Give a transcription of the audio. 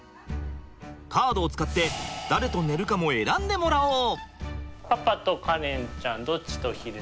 カードを使って誰と寝るかも選んでもらおう！